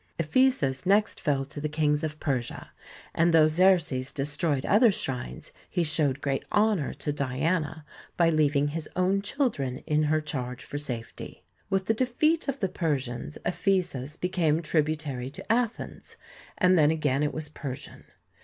Ephesus next fell to the kings of Persia, and though Xerxes destroyed other shrines, he showed great honour to Diana by leaving his own children in her charge for safety. With the defeat of the Persians Ephesus became tributary to Athens, and then again it was Persian.